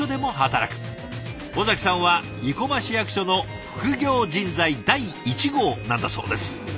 尾崎さんは生駒市役所の副業人材第１号なんだそうです。